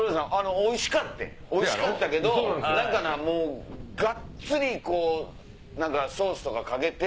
おいしかってんおいしかったけどもうガッツリソースとかかけて。